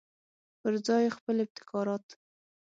پرځای یې خپل ابتکارات.